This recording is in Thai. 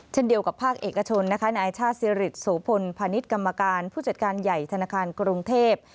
เช่นเดียวกับภาคเอกชนนะคะนายชาติสิริโสพลพาณิชย์กรรมการผู้จัดการใหญ่ธนาคารกรุงเทพ